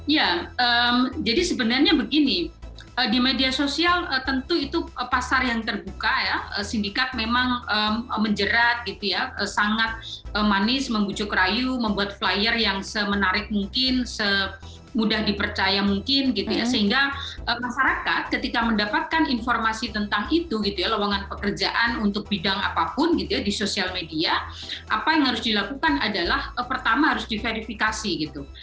ya jadi sebenarnya begini di media sosial tentu itu pasar yang terbuka ya sindikat memang menjerat gitu ya sangat manis membucuk rayu membuat flyer yang semenarik mungkin semudah dipercaya mungkin gitu ya sehingga masyarakat ketika mendapatkan informasi tentang itu gitu ya lawangan pekerjaan untuk bidang apapun gitu ya di sosial media apa yang harus dilakukan adalah pertama harus diverifikasi gitu